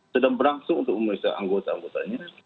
sedang berlangsung untuk memulai seanggota anggotanya